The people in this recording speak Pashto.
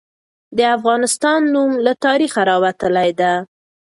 د افغانستان نوم له تاریخه راوتلي ده.